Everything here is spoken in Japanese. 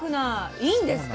いいんですか？